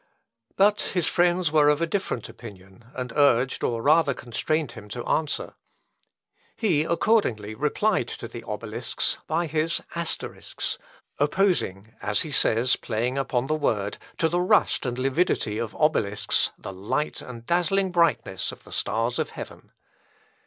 " But his friends were of a different opinion, and urged, or rather constrained him to answer. He, accordingly, replied to the Obelisks by his Asterisks, opposing (as he says, playing upon the word) to the rust and lividity of Obelisks the light and dazzling brightness of the stars of heaven.